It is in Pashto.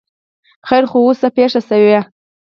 ـ خیر خو وو، څه پېښه شوې؟